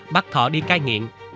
bắt thọ đi cai nghiện